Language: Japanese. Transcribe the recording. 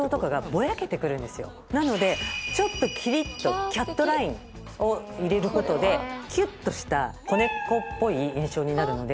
なのでちょっとキリっとキャットラインを入れることできゅっとした子猫っぽい印象になるので。